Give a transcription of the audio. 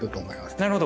なるほど。